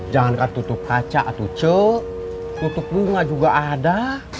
jangan kan tutup kaca tuh cuk tutup bunga juga ada